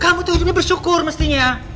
kamu itu hidupnya bersyukur mestinya